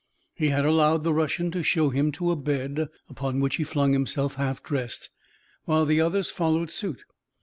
He had allowed the Russian to show him to a bed, upon which he flung himself, half dressed, while the others followed suit.